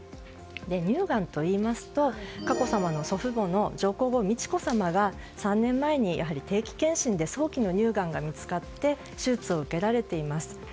乳がんと言いますと佳子さまの祖父母の上皇后・美智子さまが３年前に定期健診で早期の乳がんが見つかって手術を受けられています。